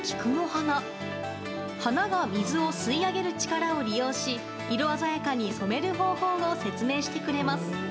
花が水を吸い上げる力を利用し色鮮やかに染める方法を説明してくれます。